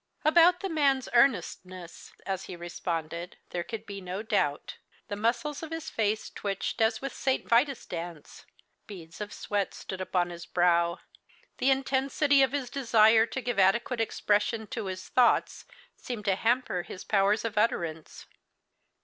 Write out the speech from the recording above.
About the man's earnestness, as he responded, there could be no doubt. The muscles of his face twitched as with St. Vitus' Dance; beads of sweat stood upon his brow; the intensity of his desire to give adequate expression to his thoughts seemed to hamper his powers of utterance.